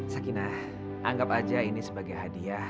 sakinah anggap aja ini sebagai hadiah